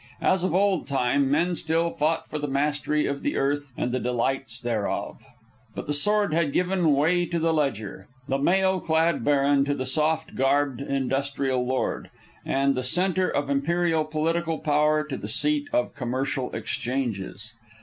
As of old time, men still fought for the mastery of the earth and the delights thereof. But the sword had given way to the ledger; the mail clad baron to the soft garbed industrial lord, and the centre of imperial political power to the seat of commercial exchanges.